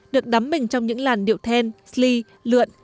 được đắm mình trong những làn điệu then sli lượn